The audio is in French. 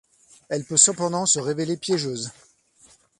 Elle peut cependant se révéler piégeuse.